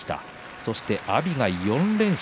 そして阿炎が４連勝。